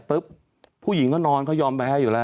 ปุ๊บผู้หญิงก็นอนเขายอมไปให้อยู่แล้ว